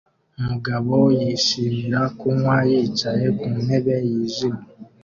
Umugabo yishimira kunywa yicaye ku ntebe yijimye